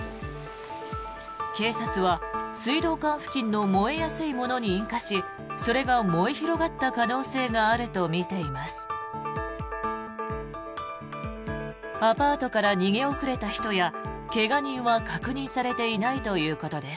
警察は、水道管付近の燃えやすいものに引火しそれが燃え広がった可能性があるとみています。